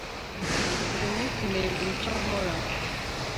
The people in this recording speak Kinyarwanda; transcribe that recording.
buri munsi negura icyo nkora.